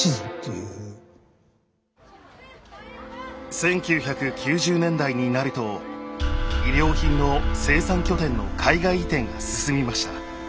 １９９０年代になると衣料品の生産拠点の海外移転が進みました。